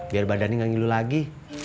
biar badannya gak ngilu lagi